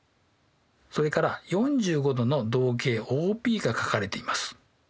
それから４５°の動径ＯＰが書かれています。